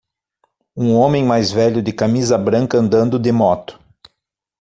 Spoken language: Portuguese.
Um homem mais velho de camisa branca andando de moto.